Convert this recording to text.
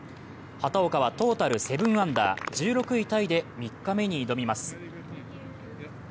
畑岡はトータル７アンダー、１６位タイで３日目に挑みます。